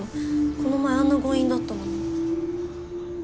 この前あんな強引だったのに。